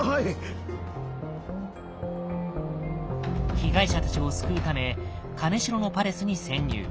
被害者たちを救うため金城のパレスに潜入。